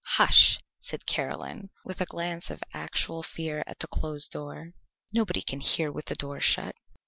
"Hush!" said Caroline, with a glance of actual fear at the closed door. "Nobody can hear with the door shut."